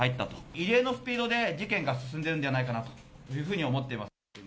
異例のスピードで事件が進んでるんじゃないかなというふうに思っています。